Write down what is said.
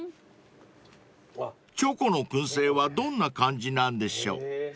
［チョコの燻製はどんな感じなんでしょう］